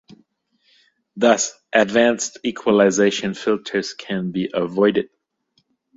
Thus, advanced equalization filters can be avoided.